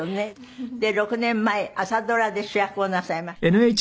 ６年前朝ドラで主役をなさいました『べっぴんさん』。